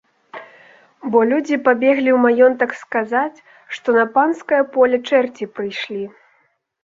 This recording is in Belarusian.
Бо людзі пабеглі ў маёнтак сказаць, што на панскае поле чэрці прыйшлі.